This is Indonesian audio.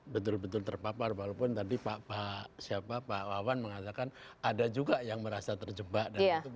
betul betul terpapar walaupun tadi pak wawan mengatakan ada juga yang merasa terjebak